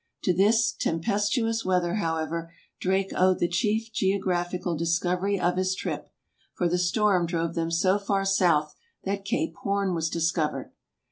To this tempestuous weather, however, Drake owed the chief geographical dis 44 TRAVELERS AND EXPLORERS covery of his trip, for the storm drove them so far south that Cape Horn was discovered.